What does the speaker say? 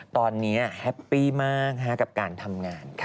ตอนนี้แฮปปี้มากกับการทำงานค่ะ